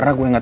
yang ini ya